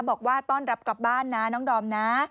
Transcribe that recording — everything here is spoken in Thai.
บอกว่าต้อนรับกลับบ้านนะน้องดอมนะ